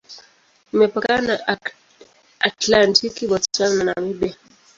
Imepakana na Atlantiki, Botswana na Namibia.